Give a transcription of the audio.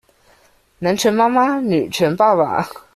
南拳媽媽，女權爸爸